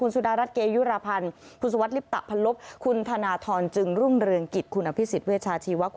และพ้นตำรวจเอกเสรีพิสุทธิ์เตมียเวศ